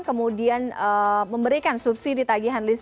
kemudian memberikan subsidi tagihan